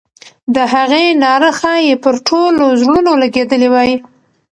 د هغې ناره ښایي پر ټولو زړونو لګېدلې وای.